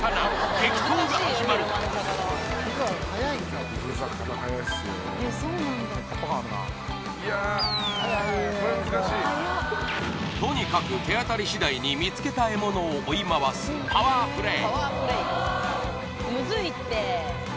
激闘が始まるとにかく手当たりしだいに見つけた獲物を追い回すパワープレイ